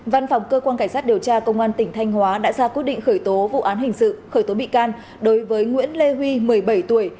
văn phòng cơ quan cảnh sát điều tra công an tỉnh thanh hóa đã ra quyết định khởi tố vụ án hình sự khởi tố bị can đối với nguyễn lê huy một mươi bảy tuổi